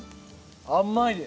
甘いです。